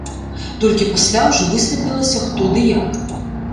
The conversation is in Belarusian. Толькі пасля ўжо высветлілася, хто ды як.